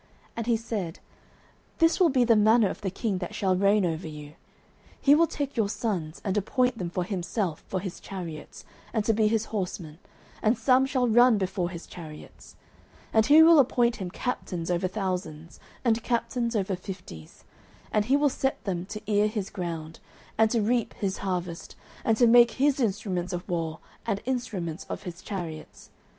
09:008:011 And he said, This will be the manner of the king that shall reign over you: He will take your sons, and appoint them for himself, for his chariots, and to be his horsemen; and some shall run before his chariots. 09:008:012 And he will appoint him captains over thousands, and captains over fifties; and will set them to ear his ground, and to reap his harvest, and to make his instruments of war, and instruments of his chariots.